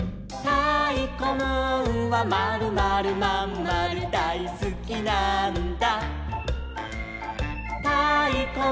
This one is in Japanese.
「たいこムーンはまるまるまんまるさがしにきたのさ」